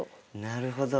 なるほど。